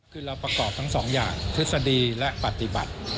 คือเราประกอบทั้งสองอย่างทฤษฎีและปฏิบัติ